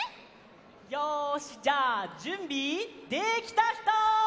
よしじゃあじゅんびできたひと！